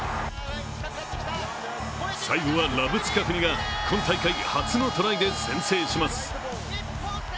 最後はラブスカフニが今大会初のトライで先制します。